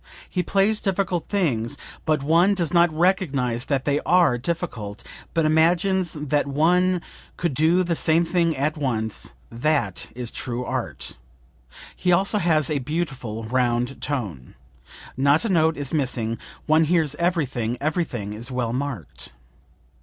He plays difficult things, but one does not recognize that they are difficult, but imagines that one could do the same thing at once; that is true art. He also has a beautiful, round tone, not a note is missing, one hears everything; everything is well marked.